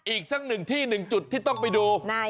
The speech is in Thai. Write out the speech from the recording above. อีกสักหนึ่งที่หนึ่งจุดที่ต้องไปดู